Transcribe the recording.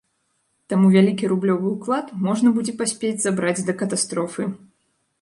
Таму вялікі рублёвы ўклад можна будзе паспець забраць да катастрофы.